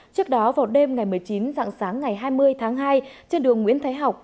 trước đó vào đêm ngày một mươi chín dạng sáng ngày hai mươi tháng hai trên đường nguyễn thái học